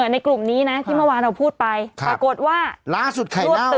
ในกลุ่มนี้น่ะที่เมื่อวานเราพูดไปครับปรากฏว่าล้าสุดไข่เก่า